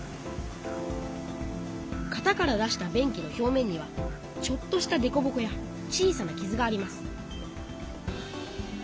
型から出した便器の表面にはちょっとしたでこぼこや小さなきずがあります